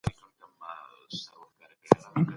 خپل ځان ته وخت ورکوئ.